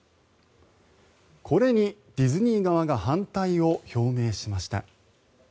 これにディズニー側が反対を表明しました。